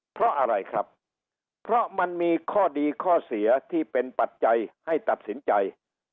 เพราะอะไรครับเพราะมันมีข้อดีข้อเสียที่เป็นปัจจัยให้ตัดสินใจ